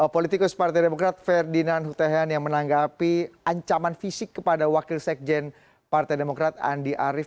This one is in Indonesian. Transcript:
politikus partai demokrat ferdinand hutehen yang menanggapi ancaman fisik kepada wakil sekjen partai demokrat andi arief